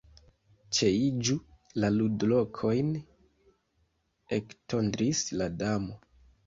"Ĉeiĝu la ludlokojn," ektondris la Damo.